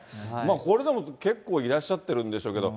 これでも、結構いらっしゃってるんでしょうけど。